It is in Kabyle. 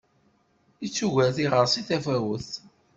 Ittuger tiɣersi tafawet.